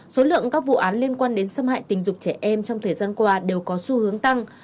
số lượng các vụ án liên quan đến xâm hại tình dục trẻ em trong thời gian qua đều có xu hướng tăng